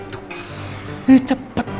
tuh ih cepet